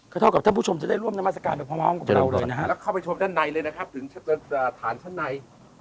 เข้าไปชมด้านในเลยนะครับถึงฐานชั้นใน